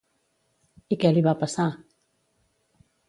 I què li va passar?